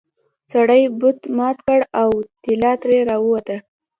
سړي بت مات کړ او طلا ترې راووته.